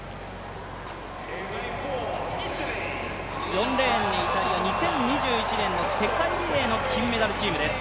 ４レーンにイタリア、２０２１年の世界リレーの金メダルチームです。